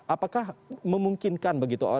apakah memungkinkan begitu